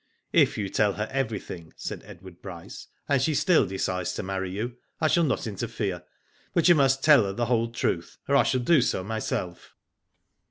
If you tell her everything," said Edward Bryce, and she still decides to marry you, I shall not interfere. But you must tell her the whole truth, or I shall do so myself."